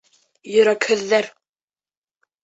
Йөрәкһеҙҙәр!